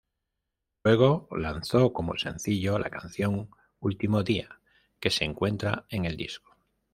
Luego, lanzó como sencillo la canción "Último Día" que se encuentra en el disco.